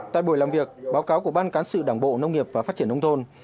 tại buổi làm việc báo cáo của ban cán sự đảng bộ nông nghiệp và phát triển nông thôn